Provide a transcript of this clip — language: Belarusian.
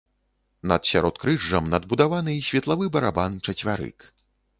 Над сяродкрыжжам надбудаваны светлавы барабан-чацвярык.